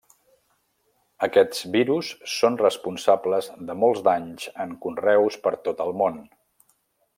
Aquests virus són responsables de molts danys en conreus per tot el món.